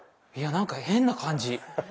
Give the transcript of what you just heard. いやなんか変な感じ。